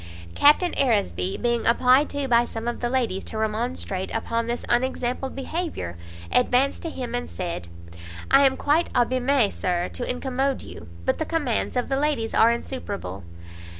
Captain Aresby, being applied to by some of the ladies to remonstrate upon this unexampled behaviour, advanced to him, and said, "I am quite abimé, Sir, to incommode you, but the commands of the ladies are insuperable.